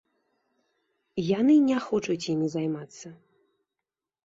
Яны не хочуць імі займацца.